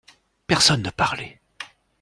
Personne ne parlait.